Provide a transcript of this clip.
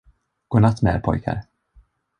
Godnatt med er pojkar!